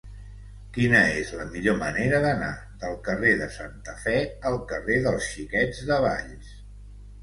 Quina és la millor manera d'anar del carrer de Santa Fe al carrer dels Xiquets de Valls?